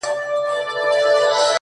زه به په فکر وم- چي څنگه مو سميږي ژوند-